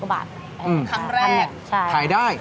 คำแรกขายได้